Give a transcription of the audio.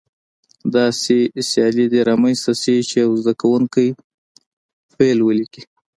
داسې سیالي دې رامنځته شي چې یو زده کوونکی فعل ولیکي.